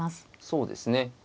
そうですね。